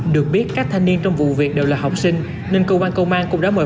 được biết các thanh niên trong vụ việc đều là học sinh nên cơ quan công an cũng đã mời